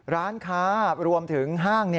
ร้านค้ารวมถึงห้าง